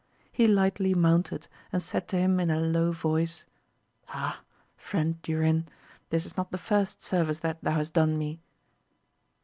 He lightly mounted and said to him in a low voice. Ah, friend Durin, this is not the first service that thou hast done me